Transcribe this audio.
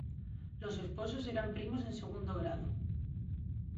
Los esposos eran primos en segundo grado.